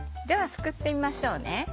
ではすくってみましょう。